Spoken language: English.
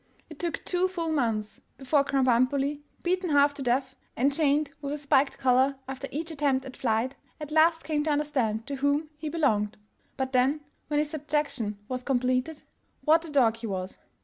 It took two full months before Krambambuli, beaten half to death, and chained with a spiked collar after each attempt at flight, at last came to understand to whom he belonged. But then, when his subjection was completed, what a dog he was!